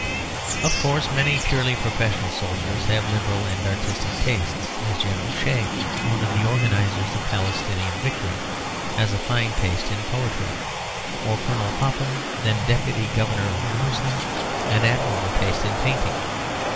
Of course many purely professional soldiers have liberal and artistic tastes; as General Shea, one of the organisers of Palestinian victory, has a fine taste in poetry, or Colonel Popham, then deputy Governor of Jerusalem, an admirable taste in painting.